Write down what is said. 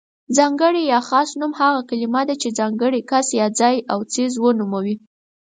ځانګړی يا خاص نوم هغه کلمه ده چې ځانګړی کس، ځای او څیز ونوموي.